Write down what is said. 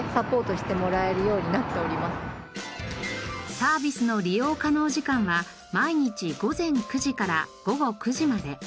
サービスの利用可能時間は毎日午前９時から午後９時まで。